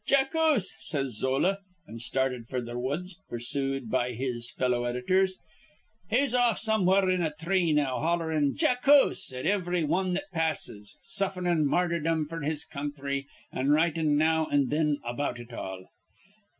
'Jackuse,' says Zola, an' started f'r th' woods, pursued be his fellow editors. He's off somewhere in a three now hollerin' 'Jackuse' at ivry wan that passes, sufferin' martyrdom f'r his counthry an' writin' now an' thin about it all.